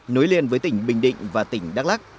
nối liền với tỉnh bình định và tỉnh đắk lắc